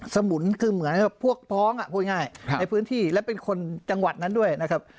สมุนคือเหมือนพวกพ้องพูดง่ายในพื้นที่และเป็นคนจังหวัดนั้นด้วยนะครับ